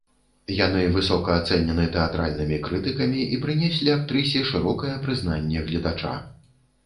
Яны высока ацэнены тэатральнымі крытыкамі і прынеслі актрысе шырокае прызнанне гледача.